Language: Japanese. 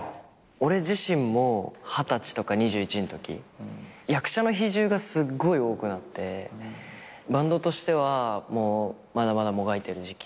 俺自身も２０歳とか２１のとき役者の比重がすっごい多くなってバンドとしてはまだまだもがいてる時期。